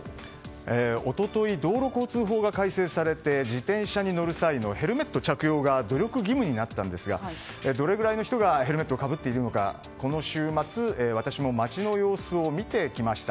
一昨日、道路交通法が改正されて自転車に乗る際のヘルメット着用が努力義務になったんですがどれぐらいの人がヘルメットをかぶっているのかこの週末私も街の様子を見てきました。